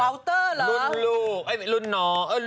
วาล์เตอร์เหรอ